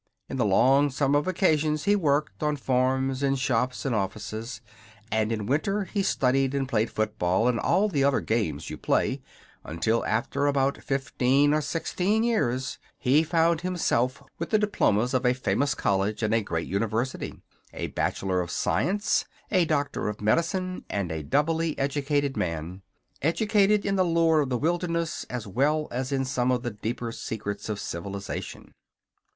In the long summer vacations he worked, on farms, in shops and offices; and in winter he studied and played football and all the other games you play, until after about fifteen or sixteen years he found himself with the diplomas of a famous college and a great university, a Bachelor of Science, a Doctor of Medicine, and a doubly educated man educated in the lore of the wilderness as well as in some of the deepest secrets of civilization.